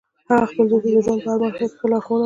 هغې خپل زوی ته د ژوند په هر مرحله کې ښه لارښوونه کړی